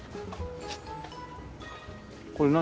これ何？